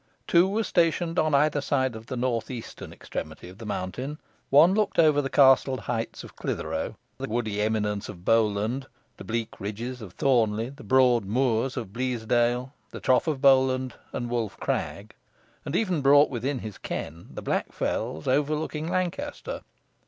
Two were stationed on either side of the north eastern extremity of the mountain. One looked over the castled heights of Clithero; the woody eminences of Bowland; the bleak ridges of Thornley; the broad moors of Bleasdale; the Trough of Bolland, and Wolf Crag; and even brought within his ken the black fells overhanging Lancaster.